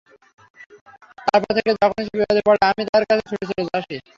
তারপর থেকে যখনই সে বিপদে পড়ে, আমি তার কাছে ছুটে চলে আসি।